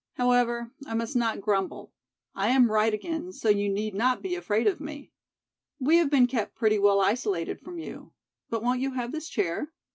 However, I must not grumble. I am right again so you need not be afraid of me. We have been kept pretty well isolated from you. But won't you have this chair?"